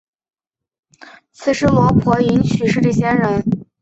毗尸罗婆迎娶持力仙人。